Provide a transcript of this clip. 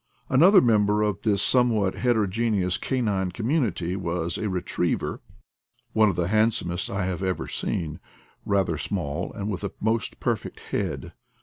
Another member of this somewhat heterogene ous canine community was a retriever, one of the handsomest I have ever seen, rather small, and with a most perfect head.